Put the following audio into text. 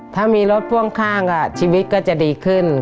ถ้ามีรถพ่วงข้างชีวิตก็จะดีขึ้น